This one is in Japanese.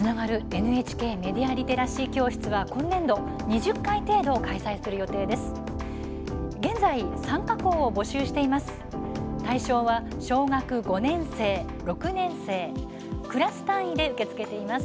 ＮＨＫメディア・リテラシー教室は、今年度２０回程度開催する予定です。